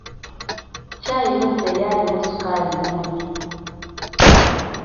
Caai muzeeyo alimu ssukaali mungi.